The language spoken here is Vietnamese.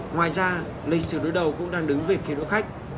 ngoài ra lịch sử đối đầu cũng đang đứng về phía đỗ khách